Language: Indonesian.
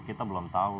kita belum tahu